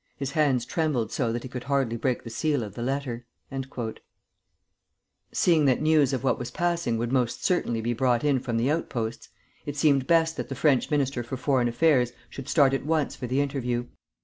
His hands trembled so that he could hardly break the seal of the letter." [Illustration: JULES FAVRE.] Seeing that news of what was passing would most certainly be brought in from the outposts, it seemed best that the French Minister for Foreign Affairs should start at once for the interview.